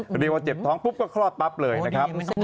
ก็เรียกว่าเจ็บท้องปุ๊บก็คลอดปั๊บเลยนะครับ